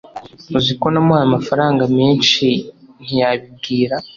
Uziko namuhaye amafaranga meshi ntiyabibwira